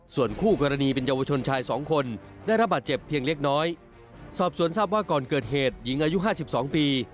ส่วนคู่กรณีเป็นเยาวชนชายสองคนได้รับบาดเจ็บเพียงเล็กน้อยสอบสวนทราบว่าก่อนเกิดเหตุหญิงอายุห้าสิบสองปี